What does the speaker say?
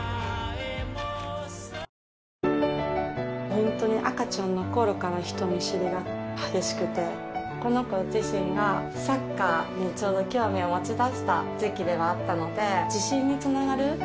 本当に赤ちゃんの頃から人見知りが激しくてこの子自身がサッカーにちょうど興味を持ち出した時期ではあったので自信につながる成功体験になっていったらいいなと思って。